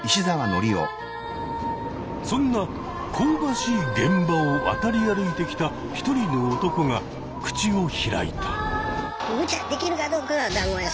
そんな香ばしい現場を渡り歩いてきた一人の男が口を開いた。